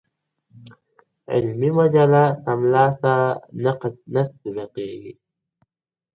علمي مجله سمدلاسه نه تطبیقیږي.